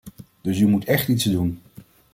Dus u moet echt iets doen.